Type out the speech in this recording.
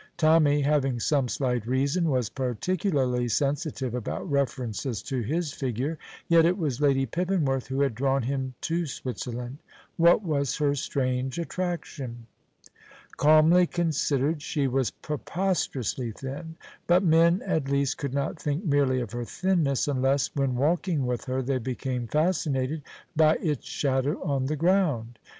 Tommy, having some slight reason, was particularly sensitive about references to his figure, yet it was Lady Pippinworth who had drawn him to Switzerland. What was her strange attraction? Calmly considered, she was preposterously thin, but men, at least, could not think merely of her thinness, unless, when walking with her, they became fascinated by its shadow on the ground.